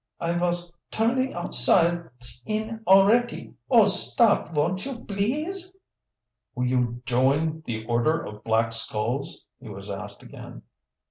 I vos turning outsides in alretty! Oh, stop, von't you, blease!" "Will you join the Order of Black Skulls"? he was asked again.